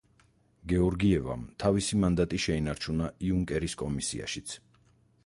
გეორგიევამ თავისი მანდატი შეინარჩუნა იუნკერის კომისიაშიც.